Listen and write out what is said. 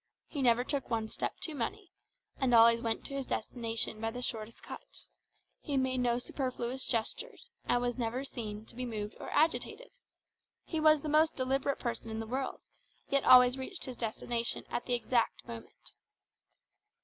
He never took one step too many, and always went to his destination by the shortest cut; he made no superfluous gestures, and was never seen to be moved or agitated. He was the most deliberate person in the world, yet always reached his destination at the exact moment.